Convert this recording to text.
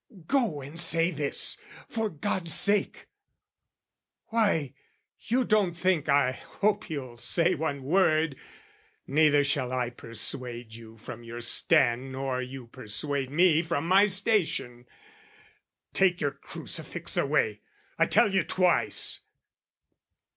Go and say this, for God's sake! Why, you don't think I hope you'll say one word? Neither shall I persuade you from your stand Nor you persuade me from my station: take Your crucifix away, I tell you twice!